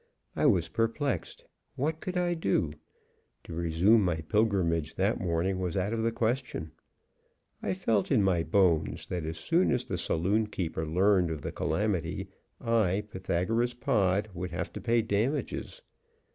I was perplexed. What could I do? To resume my pilgrimage that morning was out of the question. I felt in my bones that as soon as the saloonkeeper learned of the calamity, I, Pythagoras Pod, would have to pay damages.